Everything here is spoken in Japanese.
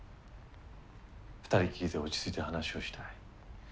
二人きりで落ち着いて話をしたい。